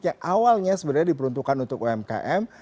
yang awalnya sebenarnya diperuntukkan untuk umkm